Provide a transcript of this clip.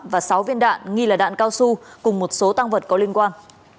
và sáu viên đạn nghi là đạn cao su cùng một số tăng vật có liên quan